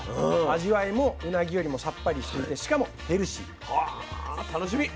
味わいもうなぎよりもさっぱりしててしかもヘルシー。は楽しみ。